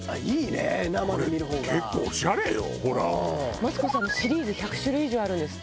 マツコさんのシリーズ１００種類以上あるんですって。